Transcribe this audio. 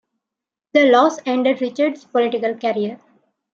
The loss ended Richards's political career.